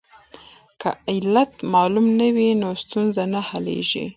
که علت معلوم نه وي نو ستونزه نه حلیږي.